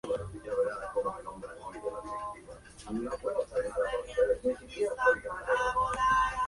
Fue apreciado incluso por sus amos musulmanes.